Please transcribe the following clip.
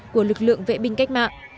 của lực lượng vệ binh cách mạng